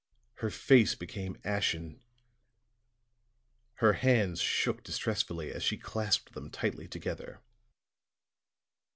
Her face became ashen; her hands shook distressfully as she clasped them tightly together.